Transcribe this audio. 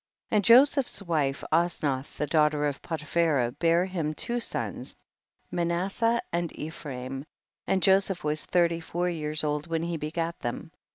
15. And Joseph's wife Osnath the daughter of Potiphera bare him two sons, Manasseh and Ephraim, and Joseph was thirty four years old when he begat them.